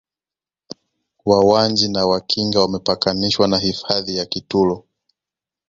Wawanji na Wakinga wamepakanishwa na hifadhi ya Kitulo